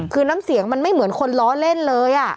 คือน้ำเสียงมันไม่เหมือนคนล้อเล่นเลย